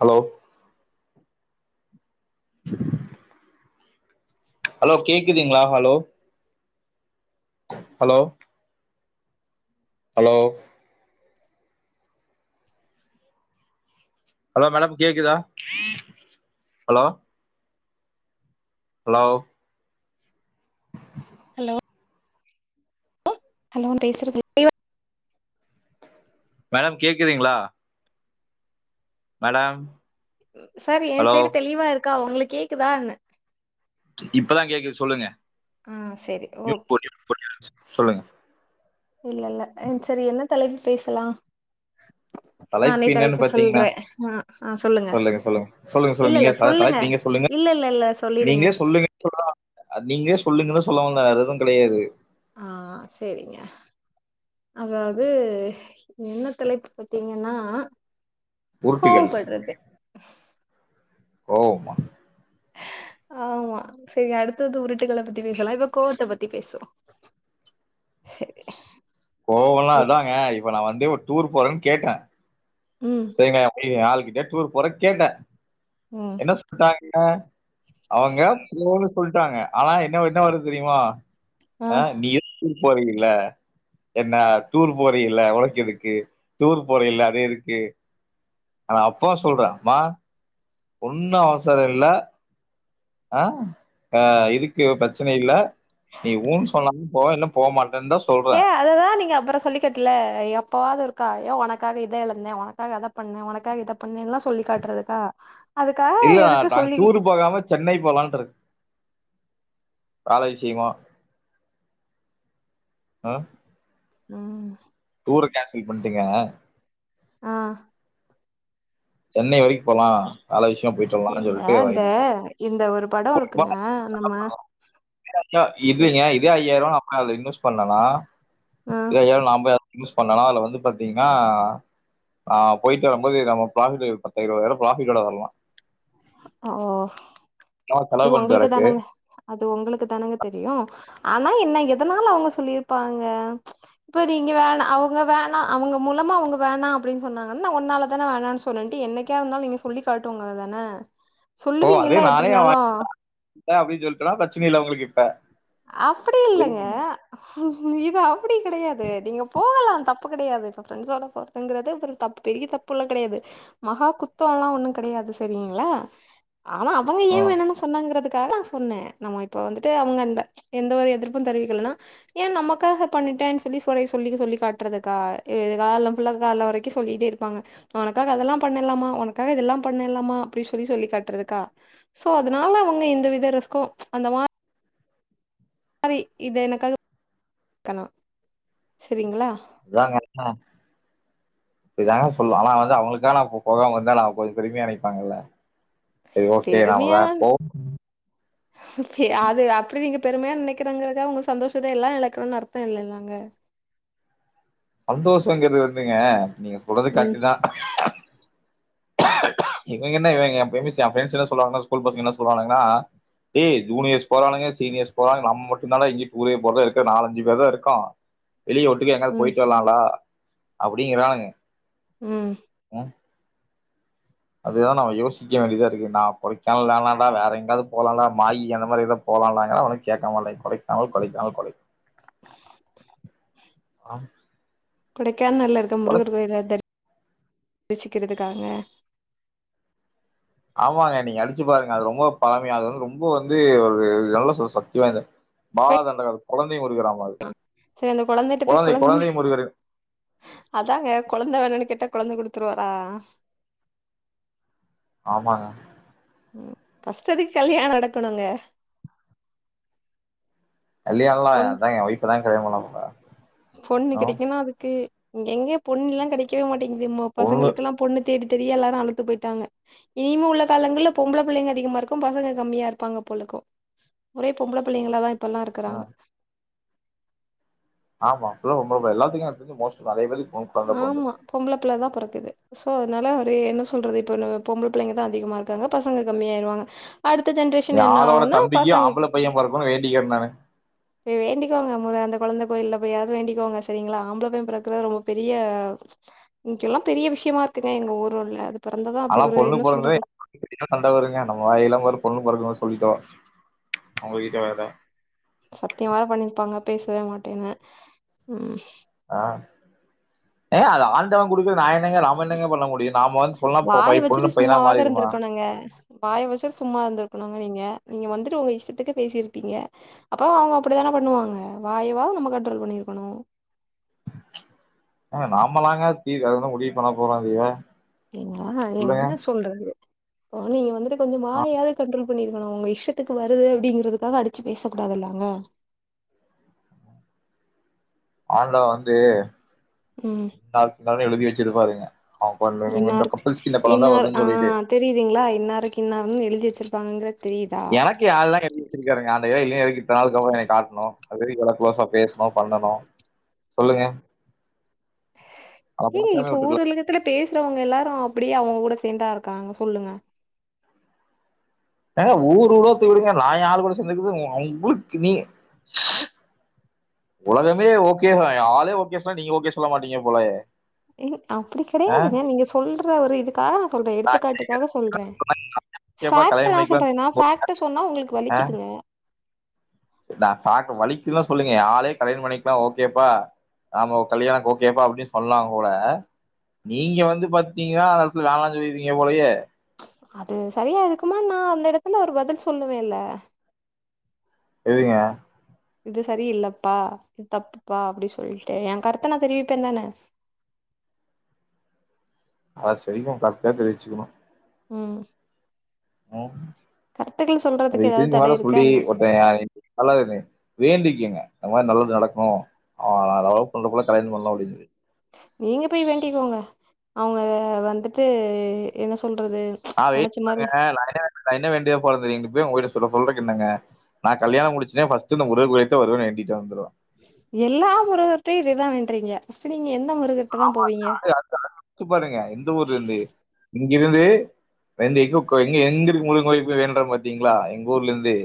Hello ட்ரு hello கேக்குதுங்களா hello hello hello hello madam கேக்குதா ஹலோ ஹலோவ் ஹலோ ஹலோ பேசுறது [inaudible] மேடம் கேக்குதுங்களா மேடம் சார் ஏ ஹலோ சைடு தெளிவா இருக்கா உங்களுக் கேக்குதா ன்ன இப்பதா கேக்குது சொல்லுங்க ஆ செரி மியூட் ஓகே போட்டு சொல்லுங்க இல்லல்ல ஆ செரி என்ன தலை பேசலா நானே தலைப்பு என்னன்னு பாத்தீங்னா சொல்றே ஆ ஆ சொல்லுங்க சொல்லுங் சொல்லுங்க சொல்லு இல்ல நீங்க இல்ல தலைப் சொல்லுங்க தலைப்பு நீங்களே சொல்லுங்க இல்ல இல்ல இல்ல சொல்லிருங்க நீங்களே சொல்லுங்க சொன்னா நீங்களே சொல்லுங்கன்னு சொல்ல வந் வேற எதூ கெடையாது ஆ செரிங்க அதாவ்து என்ன தலைப்பு பாத்தீங்கன்னா உருட்டுகள் கோவ்படுறது கோவ்மா ஆமா செரி அடுத்தது உரு த்துகள பத்தி பேசலா இப்போ கோவத்த பத் தி பேசுவோ சரி கோவோலா அதாங்க இப்ப நா வந்து டூர் போறேன் கேட்டே ம் செரிங்க அப்டியே ஏ ஆள் ஜஸ்ட் ஒரு பொற கேட்டே ம் என்ன சொல்ட்டாங்க அவங்க போனு சொ டாங்க ஆனா என்ன என்ன வருது தெரியுமா ஆ ஆஹ் நீ [inaudible] போறில்ல என்ன டூர் போறில்ல உனக்கெதுக்கு டூர் போறில்ல அது எதுக்கு ஆனா அப்பா சொல்றே மா ஒண்ணு அவசர இல்ல ஆஹ் ஆஹ் இதுக்கு பிச்சனை இல்ல நீ ஊன்னு சொன்னா போ என்ன ஏ அததா நீங்க அப்பற சொல்லிக்கட்ல எப்பவாவது இருக்கா ஏ உனக் உனக்காக இத இழுந்தே உனக்காக அத பண்ண உனக்காக இத பண்ணேன்ல்லா சொல்லி காட்டுறதுக்கா அதுக்காக இல்லா எதுக்கு நாங்க டூரு சொல்லிக்கிட்டு போகாம சென்னை போலான்ட்ருக் காலை விஷயமா அஹ்ம் உம் டூரு கேன்சல் பண்டீங்கஹ் ஆ சென்னை வரைக் போலா நல்ல விஷயமா போயிட்டு வர [unintelligible] லாம்னு ஏங்க இந்த இந்த ஒரு படம் இருக்குங்க நம்ம சொல்லிட்டு எ- இங்க இதே ஐயாயிர அதுல இன்வெஸ் பண்லனா ஆ, இத ஏ நாம் போ யூஸ் பண்ணலா அதுல வந்து பாத்தீங்கன்னா ந போய்ட்டு வரும்போது நம்ம ப்ராபிட்ல பத்தாயிருவா வேற ப்ராபிட் ஓட வர்லா அ ஓ சும்மா அது செலவு பண்ணிட்டு உங்களுக்கு வரக்கு தானங்க அது உங்களுக்கு தானங்க தெரியு ஆனா என்ன எதனால அவங்க சொல்லியிருப்பாங்க இப்ப நீங்க வேண அவங்க வேணா அவங்க மூலமா அவங்க வேணா அப்டின்னு சொன்னாங்கன்னா நா உன்னால தானே வேணானு சொன்னேன்ட்டு என்னக்கா இருந்தாலு நீங்க சொல்லி காட்டு உங்கள தான ஓ அதே நானே வாய் ஏ [unintelligible] அப்டின்னு சொல்டேனா பிரச்சின இல்ல உங்களுக்கு அ அப்டி இல்லைங்க இது அப்டி கெடையாது நீங்க போகலா தப்பு கெடையாது இப்ப ப்ரெண்ட்ஸோட போறதுங்கிறது ஒரு தப்பு பெரிய தப்புல்லா கெடையாது மகா குத்தோ எல்லா ஒன்னு கெடையாது செரிங்களா ஆவ அவங்க ஏ ம் வேணுன்னு சொன்னாங்கறதுக் காலாஸ் சொன்னே நம்ம இப்ப வந்துட்டு அவங்க அந்த எந்த ஒரு எதிர்ப்பு தெரிவிக்கலன்னா ஏ நமக்காக பண்ணிட்டேன்னு சொல்லி ஒறை சொல்லி சொல்லி காட்டுறதுக்கா ஐ கால்லல்ல ஃபுல்லா கால வரைக்கு சொல்லிட்டே இருப்பாங்க உனக்காக அதெல்லா பண்ணலாமா உனக்காக இதெல்லா பண்ணலாமா அப்படின்னு சொல்லி சொல்லி காட்டுறதுக்கா சோ அதனால அவங்க இந்த வித ரிஸ்கு அந்த மா சரி இது எனக்காக [inaudible] கண்ணோ சரிங்களா அதாங்க ஆஹ் இதாங்க சொல்லுவ அவ வந்து அவங்களுக்கான அப்ப போகம இருந்தாலு அவ கொஞ்சோ பெருமையா நெனைப்பாங்கல்ல செரி ஓகே நாம வேற போம் ஏ அது அப்டி நீங்க பெருமையா நெனைக்கிறாங்கறதுக்கா உங்க சந்தோஷத்தே எல்லா எழக்கணுனு அர்த்தோ இல்லல்லாங்க சந்தோஷங்கிறது வந்துங்க நீங்க சொல்றது ம் கரெட்டுதா இவங்க என்ன இவங்க எப்பேயுமேஸ் ஏ ஃப்ண்ட்ஸ் எதாவது சொல்வாங்கன்னா ஸ்கூல் பசங்க என்ன சொல்லுவாங்கன்னா ஏ ஜூனியர்ஸ் போறானுங்க சீனியர்ஸ் போறானுங்க நம்ம மட்டுதாலே இங்கியு ஊரே போறதா இருக்கு நாலஞ்சு பேர் தா இருக்கோ வெளியே ஒட்டுக எங்காது ம் போயிட்டு வரலாங்களா அப்டிங்கிறாங்க ம் அதுதா நம்ம யோசிக்க வேண்டியதா இருக்கு நா கொடைக்கானல் வேணான்டா வேற எங்காவது போலாண்டா மாயி அந்த மாரி எதா போலாலாங்குறே அவனு கேட்க மாட்டேங்கறாங்க கொடைக்கானல் கொடைக்கானல் கொடை ஆம் கொடைக் கேனல்ல இருக்கும் முருகர் கோயில் அத வெச்சுக்கிறதுக்காக ஆமாங்க நீங்க அடிச்சு பாருங்க அது ரொம்ப பழமையானது வந்து ரொம்ப வந்து ஒரு நல்ல சொ சொ சத்திவாய்ந்த பால தண்டக கொழ செரி அந்த குழந்தேட்ட போய் கொழந்தை குழந்தை கொழந்தை முருகர் அதாங்க கொழந்தே வேணுன்னு கேட்டா கொழந்தே குடுத்து துருவாரா ஆமாங்க உம் கஷ்டத்துக்கு கல்யாண நடக்கணுங்க கல்யான்லா பொண் அதா ஏ ஒய்ப் தா தெரியாமலு அவுங்தா பொண்ணு கெடைக்குன்னா அதுக்கு இங் எங்கே பொண்ணுலா கெடைக்வே மாட் ங்துமோ பொண்ணு பசங்ளுக்லா பொண்ணு தேடி தெரியாலன அழுத்து போயிட்டாங்க இனிமே உள்ள காலங்கள பொம்ப்ள புள்ளைங்க அதிகமா இருக்கு பசங்க கம்மியா இருப்பாங்க போலக்கு ஒரே பொம்ப்ள புள்ளேங்கலாதா பொல்லா ஆ இருக்குறாங்க ஆமா ப்ரோ இப்ப நம்ப எல்லாத்துக்கு எப்டிருக்கு மோஸ்ட் நெறைய பேருக் ஆமா பொம்புள புள்ளதா பொறக் குது சோ அதனால ஒரு என்ன சொல்றது இப்ப பொம்புல புள்ளைங்க தா அதிகமா இருக்காங்க பசங்க கம்மி ஆயிருவாங்க ஏ ஆளோட தம்பிக்கி ஆம்பள பையன் பொறக்குனுன்னு வேண்டிகிற நானு வேண்டிக்கோங்க மொத அந்த கொழந்த கோயில போய்யாவது வேண்டிக்கோங்க சரிங்ளா ஆம்புள பையன் பொறக்குற ரொம்ப பெரிய இங்கெல்லா பெரிய விஷ்யமா இருக்குங்க எங்க ஊர் உள்ள அதா பொண்ணு பொறந்து [inaudible] சண்ட வருங்க நம்ம வாய் எல்லா பாரு பொண்ணு பொறக்னு சொல்லிடோ சத்ய வேர பண்ணிருப்பாங்க பேசவே மாட்டேனு ம் ஆ ஏங்க அது ஆண்டவ குடுக்றது நா ஏ பை வாய பொண்ணு வச்சுட்டு பையனா சும்மாவாது மாறிடுமா இருந்துருக்கணுங்க வாய வச்சுட்டு சும்மா இருந்துருக்கணு நீங்க நீங்க வந்துட்டு உங்க இஷ்டத்துக்கு பேசிருப்பீங்க அப்போ அவுங்க அப்டி தான பண்ணுவாங்க வாயவா நம்ம கண்ட்ரோல் பண்ணிருக்கணு ஏங்க நாமலாங்க தீ அத ஒன்னு முடிவு பண்ண போறோ திய கீங்ளா என்ன சொல்றது போ நீங் வந்துட்டு கொஞ்சோ ஆ வாயாது கண்ட்ரோல் பண்ணிருக்கணு உங்க இஸ்ஷத்துக்கு வருது அப்டிங்கறதுக்காக அடிச்சு பேசக் கூடாதுல்லா அங்க ஆன்டவ வந்து ம் [unintelligible] எழுதி வெச்சி கிரு பாருங்க இன்னாருக்கு இன்ன வருதுன்னு சொல்லிட்டு ஆஹ் தெரியுதீங்ளா இன்னாருக்கு இன்னாருன்னு எழுதி வச்சிரு பாங்க எனக்கு ஆள் தா இருக்காங்க ஆண்டவ இல்ல இருக்கு [unintelligible] காட்ணு அது திகழ க்ளோஸா பேசணு பண்ணணு சொல்லுங்க அத ஏங்க பாக்காம இப்ப ஊர் விட்டுருக்கலாம் உலகத்துல பேஸ் அவங்க எல்லாரு அப்டியே அவங்க கூட சேந்தா இருக்குறாங்க சொல்லுங்க ஏங்க ஊர் உருவத்த விடுங்க நா என் ஆளு கூட சேந்துருக்குது உங்களுக்கு நீ உலகமே ஓகே யா ஆலே ஓகே சொன்னா நீங்க ஓகே சொல்ல மாட்டீங்க போலயே ஏங்க அப்படி கெடையாதுங்க நீங்க சொல்ற ஒரு இதுக்காக நா சொல்ற நான் எடுத்துக்காட்டுக்காக சொல்ற ஓகேப்பா ஃபாக்ட் கல்யாணம் நா பண்ணிக்கலாம் சொல்ற நா ஃபாக்ட் சொன்னா உங்களுக்கு வலிக்குதுங்க நா ஃபாக்ட் வலிக்குது எல்லா சொல்லைங்க என் ஆளே கல்யாண பண்ணிக்கல்லா ஓகேப்பா நாம கல்யாணக் ஓகேப்பா அப்டின்னு சொன்னாங்க கூட நீங்க வந்து பாத்தீங்கன்னா அந்த இடத்துல வேணா சொல்லிடுவீங்க போலயே அது சரியா இருக்குமா நா அந்த இடத்துல ஒரு பதில் சொல்லுவேல்ல எதுங்க இது சரியில்லப்பா இது தப்புப்பா அப்பிடி சொல்லுட்டு எ கருத்த நா தெரிவிப்பேன்தான அத செய்வோ கரெக்ட்டா தெரிவிச்சுக்கணு உம் உம் தய்வ சொல்றதுக்கு செய்து ஏதாவது இந்த தடை மாரியில்லா இருக்கா சொல்லி என்ன ஒன்னைய நல்லா வேண்டிக் க்கீங்க இந்த மாரி நல்லது நடக்குனு ஆஹா நா லவ் பண்ற புல்ல கல்யாணம் பண்ணும் அப்டின் சொலிட் நீங்க போய் வேண்டிக்கோங்க அவுங்க அஹ வந்துட்டு என்ன சொல் நா வெயிட் பண்ண நடந்தே வந்து நா என்ன வேண்டியது போறது இப்போவே உங்குகிட்ட சொல்றக் என்னங்க நா கல்யாணம் முடிச்சுதே பஸ்ட்டு முருகன் கோவில்குதா வருவ வேண்டிட்டே வந்துருவோ எல்லா முருகருட்டயு இததுதா வேன்றீங்க பஸ்ட் நீங்க எந் ஆமாக்கா [inaudible] அத்துப்பாடுங்க எந்த ஊருந்து இங்கிருந்து எந்தயிக்கோய் எங் எந்துருந்து முருகுங் கோயில் வேண்ற பாத்தீங்குளா எங்க ஊர்ல இருந்து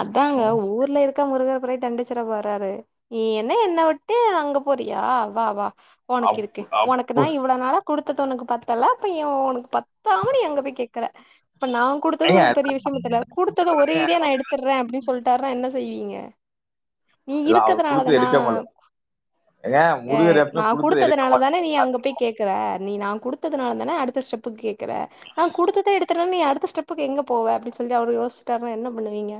அதாங்க ம், ஊர்ல இருக்க முருகர் குற தண் சிர போறாரு நீ என்ன என்ன விட்டு அங்க போறியா வா வா உனக்கு இருக்கு அப்- உனக்குனா அப்- இவ்வுளோனால குடுத்ததுன் உனக்கு பத்தல அப்ப ஏ ஒனக் பத்தாம நீ அங்க போய் கேக்குற இப்ப நா குடுத்தது ஏங்க உனக் பெரிய விஷயம் தெரியல்ல குடுத்ததே ஒரே எடுத்துறே அப்டின் சொல்லிட்டாருனா என்ன செய் செய்வீங்க நீ இல்ல, அவர் இருக்கதுனாலத கொடுத்து நா எடுக்க மாட்டேன் ஏங்க முருகர் ஏய் எப்பவுமே நா கொடுத்தது எடுக்க குடுத்ததுனால மாட்டேன் தான நீ அங்க போய் கேக்கற நீ நா குடுத் த்துனால தான அடுத்த ஸ்டெப்புக் கேக்கற நா குடுத்ததே எடுத்துட்னா நீ அடுத்த ஸ்டெப்புக்கு எங்க போவ அப்டி சொல்லி அவுரு யோஸ்ச்சுடாருனா என்ன பண்ணுவீங்க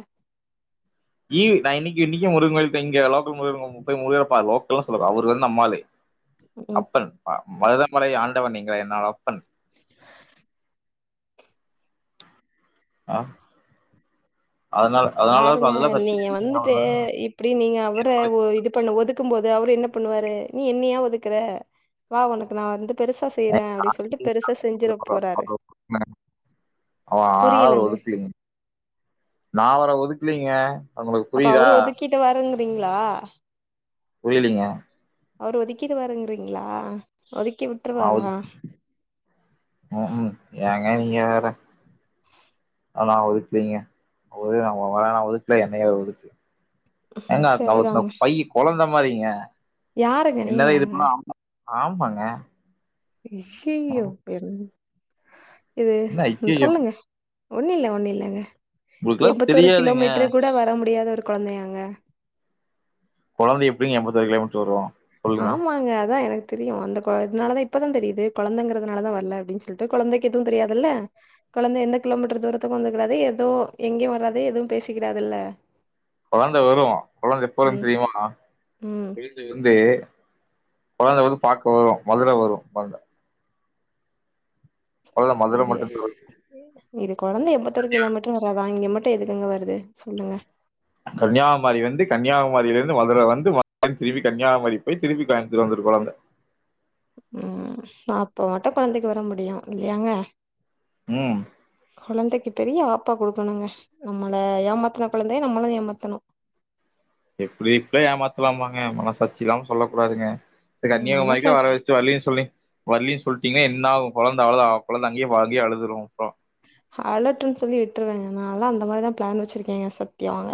ஈவு நா என்னிக்கு இன்னிக்கு முருங்கோயில் த இங்க லோக்கல் [unintelligible] முருகரு பா லோக்கல்னு சொல்லல அவுரு வந் நம்மாளு ம் அப்பன் அ மருதமலை ஆண்டவன் நீங்க என்னோட அப்பன் அ பாருங்க நீங்க வந்துட்டு அவன் இப்பிடி நீங்க அவுர ஒ இது பண்ண ஒதுக் க்கும் போது அவுரு என்ன பண்ணுவாரு நீ என்ன யா ஒதுக்குற வா உனக்கு நா வந்துட் பெருசா செய்றே அப்டி சொல்ட்டு பெருசா செஞ்சுற போறாரு அவன் அவன் அவர் புரியலங்க ஒதுக்கலைங்க க்கிலீங்க அப்ப அவுரு ஒதிக்கிட்டு வருங் கிங்ளா புரியலிங்க அவுரு ஒதிக்கீருவாருங்கிறீங்ளா ஆ ஒதி ம் ம் ஏங் ஏங் நீங்க வேற ஆனா நா ஒதுக்லீங்க [unintelligible] ஒதுக்கல என்னைய [unintelligible] ஏங்க நா ஒரு ந்த சரிதாங்க பையி கொழந்த மாறிங்க யாருங்க நீங்களாங்க ஆமாங்க இய்யிய்யோ என் இது‌ என்ன ம் ஐயையோ சொல்லுங்க ஒண்ணு இல்ல ஒண்ணு இல்லங்க உங்களுக்குலா எப்பத்தொரு தெரியாதுங்க கிலோமீட்ரு கூட வர முடியாத கொழந்தையாங்க கொழந்த எப்பிடிங்க எம்பத்தொரு கிலோமீட்ரு வரு சொல்லுங்க ஆமாங்க அதா என தெரியு அந்த கொழ இதனாலதா இப்பதா தெரியிது கொழந்தங்கிறதுனாலதா வர்ல அப்டின் சொல்ட்டு கொழந்தைக்கு எதுவு தெரியாதில்ல கொழந்தை எந்த கிலோமீட்டர் தூரத்துக்கு வந்துக்கடாது எது எங்கியு வராது எதுவு பேசிக்கிடாது இல்ல கொழந்த வரு கொழந்த எப்ப வருன் தெரியிமா ம் [inaudible] கொழந்த வந்து பாக்க வரு மதுர வரு [unintelligible] கொழந்த மதுர இது மட்டுந்தா வரு இது கொழந்த எம்பதொரு கிலோமீட்ரு வரா அதா இங்க மட்டு எதுக்குங்க வருது சொல்லுங்க கன்னியாகுமரி வந்து கன்னியாகுமரிலிருந்து மதுர வந்து மறுடியு திரும்பி கன்னியாகுமரி போய் திரும்பி கோயம்பத்தூர் வந்துட்டு போறாங்க ம், அப்ப மட்டு கொழந்தைக்கு வர முடியு இல்லையாங்க ம் கொழந்தைக்கு பெரிய ஆப் ப்பா குடுக்கணுங்க நம்மள ஏமாத்துன கொழந்தைய நம்மளு ஏமாத்தணு எப்டி இப்ப ஏமாத்தலாமாங்க மனசாட்சி இல்லாம சொல்ல கூடாதுங்க ம் கன்னியாகுமரிக்குலா வர மனசாட்சி வச்சட்டு வல்லின்னு சொல்லி வல்லின்னு சொல்லிட்டீங்கன்னா என்னாவு கொழந்த அவ்ளதா கொழந்த அங்கயே வா அங்கயே அழுதுரு அப்றோ அழட்டுன்னு சொல்லி விட்டுருவங்க நான்லா அந்த மாரிதா பிளான் வச்சிருக்கேங்க சத்தியமாங்க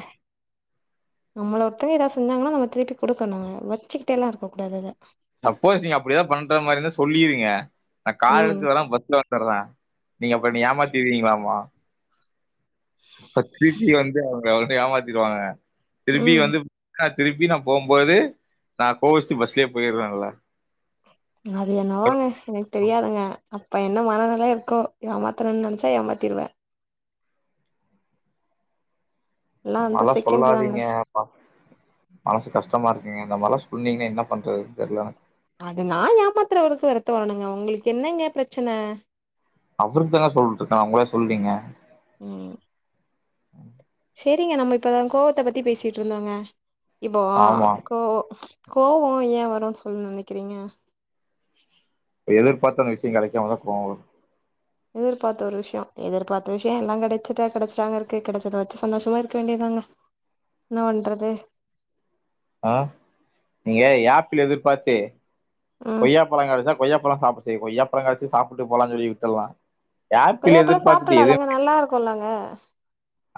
நம்மள ஒருத்தவங்க ஏதாவது செஞ்சாங்கன்னா நம்ம திருப்பி குடுக்கணுங்க வச்சுக்கிட்டேலா இருக்க கூடாது அத சப்போஸ் நீங்க அப்டிதா பண்ற மாரி இருந்தா சொல்லிருங்க நா கார் ம் எடுத்து வராம பஸ்ல வந்தட்ற நீங்க அப்ப என்ன ஏமாத்திருவீங்களாமா ப திருப்பி வந்தா ஒரு ஒடனே ஏமாத்திருவாங்க திருப்பி ம் வந்து கா திருப்பி நா போம்போது நா ஓஸ்ச்சி பஸ்லே போயிருவேலே அது என்னாவோங்கே எனக் தெரியாதங்கே அப்ப என்னா மனநெல இர்க்கோ ஏமாத்தரன் நெனச்சா ஏமாத்திருவே எல்லா அந்த மாலா செகண்ட் தாங்க சொல்லாதீங்கே மா மனசு கஷ்டமா இருக்குங்கே இந்த மார்லா சொன்னீங்னா என்னா பண்றது தெர்லா எனக் அது நா ஏமாத்துறவருக்கு வருத்தோ வரணுங்கே உங்குளுக்கென்னங்கே பிரச்சனே அவுருக்தாங்க நா சொல்ட்ருக்கே நா உங்கள சொல்லீங்கே ம் செரிங்க நம்ம இப்பதா கோவத்த பத்தி பேசீட்ருந்தோங்கே இப்போ ஆமா கோவோ ச்ச கோவோ ஏ வரோன் சொல்லுன் நெனக்கிறீங்கே எதிர்பாத்தன விஷ்யு கெடைக்காமதா கோவோ வரோ எதிர்பாத்த ஒரு விஷ்யோ எதிர்பாத்த விஷ்யோ எல்லாங் கெடச்சிட்டா கெடச்சுட்டாங்க இருக்கு கெடச்சத வெச்சு சந்தோஷமா இருக்க வேண்டியதாங்கே என்னாவண்றது ஆ நீங்கே யாப்பிள் எதிர்பாத்து ம் கொய்யா பழங்கெடச்சா கொய்யா பழோ சாப்ட்டே செய் கொய்யாப்பழங் கெடச்சி சாப்புட்டு போலான் சொல்லி விட்டுல்லா கொய்யாப் பழோ சாப்புல்லாலங்கே நல்லாருக்கோலங்கே அ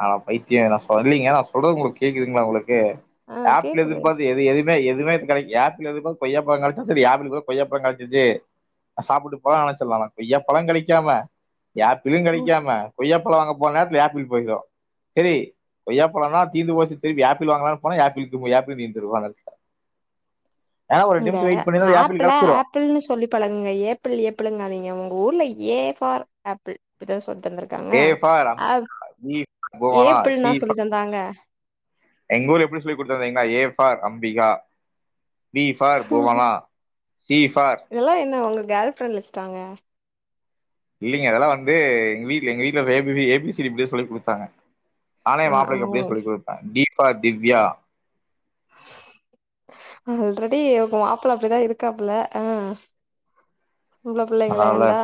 ஆகா பைத்தியங் நா சொல்லீங்கே நா சொல்றது உங்குளுக்கு கேக்குதுங்ளா உங்ளுக் க்கு ஆ ஆப்பிள் கேக்குது. எதிர்பாத்து எது எது மே எதுமே இப் கடைக் யாப்பிள் எதிர்பாத் கொய்யாப்பழங் கடச்சா சரி ஆப்பிளுக் பதுல கொய்யாப்பழங் கடச்சுச்சு அ சாப்புட்டு போலா வான் சொல்லுவாங்க கொய்யா பழங் கெடைக்காம யாப்பிளுங் ம் கெடைக்காம கொய்யாப் பழொ வாங்க போன நேர்த்துல யாப்பிள் போயிந்தோ சரி கொய்யாப் பழந்தா தீந்து போச்சு திருப்பி யாப்பிள் வாங்கலானு போனா யாப்பிள் [inaudible] தீந்துரு ஓரே நேரத்ல இந்த ஆப்புள ஆப்பிள்ன்னு சொல்லி பழகுங்க ஏப்பிள் ஏப்பிளுங்காதீங்க உங்க ஊர்ல ஏ ஃபார் ஆப்பிள் இப்டிதா சொல்லித் தந்திருக்காங்க A for Ambika app B for Bhuvana C ஏப்பிள்னா ஃபார் சொல்லித் தந்தாங்க எங்க ஊர்ல எப்டி சொல்லிக் குடுத்தாங்கனு தெரிங்லா A for Ambika B for Bhuvana C for இதெல்லா என்ன உங்க கேர்ள் ஃப்ரெண்ட் லிஸ்டாங்க இல்லிங்க அதெல்லா வந்து எங் வீட்ல எங்க வீட்ல A A B C D இப்டிதா சொல்லிக் குடுத்தாங்க நானு என் ஆ ஆ மாப்ளைக்கு உங்க அப்டிதா சொல்லி குடுப்ப டி ஃபார் திவ்யா ஆல்ரெடி உங்க மாப்ள அப்டிதா இருக்காப்புல ஆ பொம்பள புள்ளைங்கள அதனால கண்டா